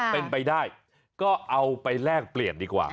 เป็นไปได้ก็เอาไปแลกเปลี่ยนดีกว่า